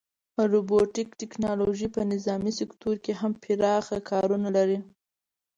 روبوټیک ټیکنالوژي په نظامي سکتور کې هم پراخه کارونه لري.